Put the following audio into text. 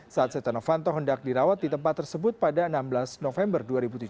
saat setia novanto hendak dirawat di tempat tersebut pada enam belas november dua ribu tujuh belas